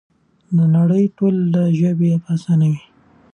د نړۍ ټولې ژبې به اسانې وي؛